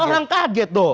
kan orang kaget tuh